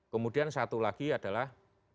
kemudian satu lagi adalah